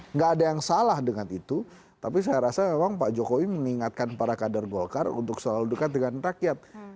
nggak ada yang salah dengan itu tapi saya rasa memang pak jokowi mengingatkan para kader golkar untuk selalu dekat dengan rakyat